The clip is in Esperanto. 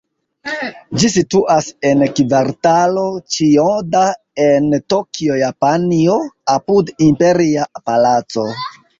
Ĝi situas en Kvartalo Ĉijoda, en Tokio, Japanio, apud Imperia Palaco.